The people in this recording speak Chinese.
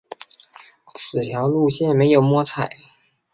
此条路线没有摸彩